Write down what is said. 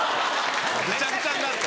ぐちゃぐちゃになった。